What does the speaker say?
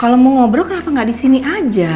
kalau mau ngobrol kenapa nggak di sini aja